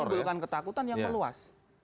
karena mengumpulkan ketakutan yang luas